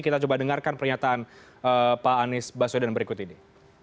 kita coba dengarkan pernyataan pak anies baswedan berikut ini